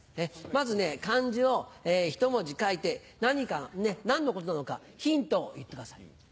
まず漢字を１文字書いて何のことなのかヒントを言ってください。